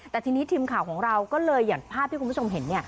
แต่ทีนี้ทีมข่าวอย่างภาพที่คุณชมเห็น